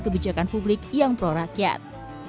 kebijakan publik yang prorakyat